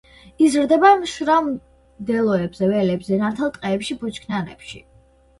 იზრდება მშრალ მდელოებზე, ველებზე, ნათელ ტყეებში, ბუჩქნარებში.